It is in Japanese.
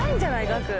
額。